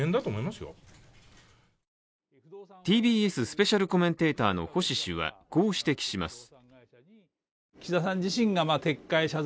ＴＢＳスペシャルコメンテーターの星氏はこう指摘します。